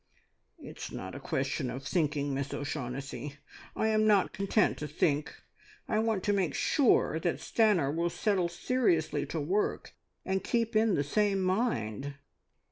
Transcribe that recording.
"It's not a question of thinking, Miss O'Shaughnessy. I am not content to think. I want to make sure that Stanor will settle seriously to work and keep in the same mind.